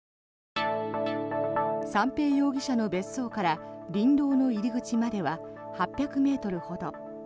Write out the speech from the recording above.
三瓶容疑者の別荘から林道の入り口までは８００ｍほど。